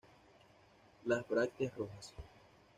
Las brácteas rojas.